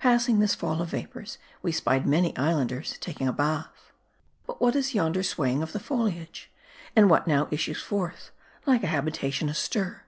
Passing this fall of vapors, we spied many Islanders taking a bath. But what is yonder swaying of the foliage ? And what now issues forth, like a habitation astir